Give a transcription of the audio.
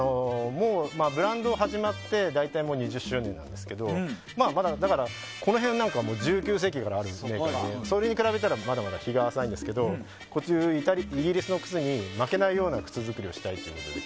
ブランド始まって大体２０周年なんですけどだから、さっきまでの靴とかは１９世紀からあるのでそれに比べたらまだまだ日が浅いんですけどイギリスの靴に負けないような靴作りをしたいということで。